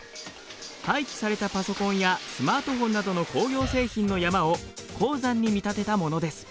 廃棄されたパソコンやスマートフォンなどの工業製品の山を鉱山に見立てたものです。